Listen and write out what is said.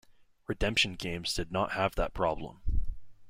Redemption games did not have that problem.